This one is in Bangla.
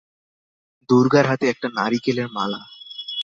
দুর্গার হাতে একটা নারিকেলের মালা।